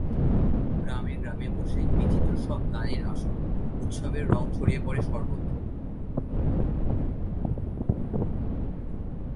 গ্রামে গ্রামে বসে বিচিত্র সব গানের আসর, উৎসবের রং ছড়িয়ে পড়ে সর্বত্র।